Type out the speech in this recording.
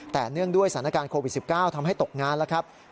แต่เนื่องด้วยสถานการณ์โควิด๑๙ทำให้ตกงานแล้วครับ